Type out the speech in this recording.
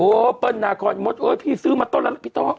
โอ้เปิ้ลนากรณมศพี่ซื้อมาต้นแล้วพี่ต้อง